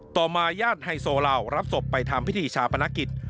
ต่อมาญาติไฮโซเหล่ารับศพไปทำพิธีชาปนกิจ